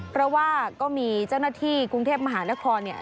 เพราะว่าก็มีเจ้าหน้าที่กรุงเทพมหานครเนี่ย